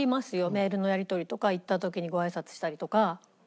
メールのやり取りとか行った時にごあいさつしたりとか。